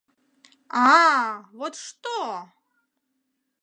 — А-а, вот что?..